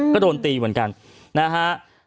ก็โดนตีเหมือนกันนะฮะ